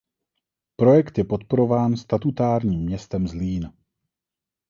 Projekt je podporován Statutárním městem Zlín.